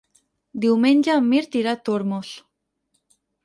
Diumenge en Mirt irà a Tormos.